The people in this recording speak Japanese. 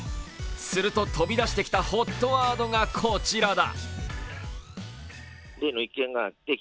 すると飛び出してきたＨＯＴワードがこちらだ。